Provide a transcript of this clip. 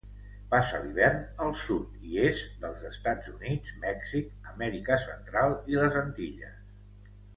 Passa l'hivern al sud i est dels Estats Units, Mèxic, Amèrica Central i les Antilles.